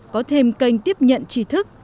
có thêm kênh tiếp nhận trí thức